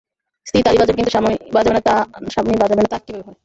স্ত্রী তালি বাজাবে কিন্তু স্বামী বাজাবে না তা কীভাবে হয়?